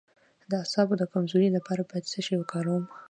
د اعصابو د کمزوری لپاره باید څه شی وکاروم؟